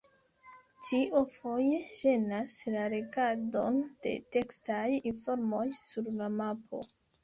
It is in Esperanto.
Tio foje ĝenas la legadon de tekstaj informoj sur la mapo.